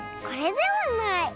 これでもない。